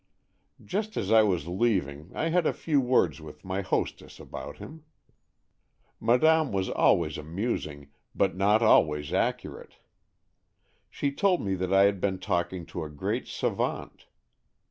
just as I was leaving I had a few words with my hostess about him. Madame w^as always amusing, but not always accurate. AN EXCHANGE OF SOULS 7 She told me that I had been talking to a great savant.